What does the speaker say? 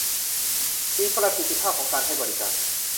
มีประสิทธิภาพของการให้บริการ